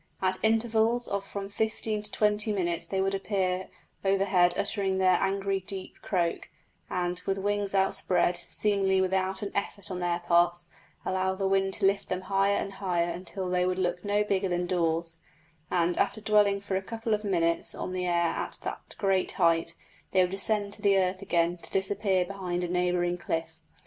At intervals of from fifteen to twenty minutes they would appear overhead uttering their angry, deep croak, and, with wings outspread, seemingly without an effort on their parts allow the wind to lift them higher and higher until they would look no bigger than daws; and, after dwelling for a couple of minutes on the air at that great height, they would descend to the earth again, to disappear behind a neighbouring cliff.